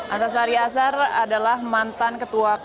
antas saryazar adalah mantan ketua kpk